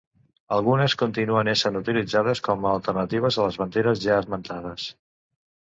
Algunes continuen essent utilitzades com a alternatives a les banderes ja esmentades.